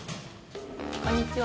こんにちは。